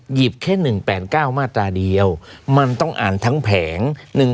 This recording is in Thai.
แค่๑๘๙มาตราเดียวมันต้องอ่านทั้งแผง